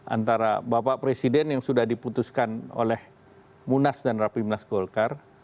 antara bapak presiden yang sudah diputuskan oleh munas dan rapimnas golkar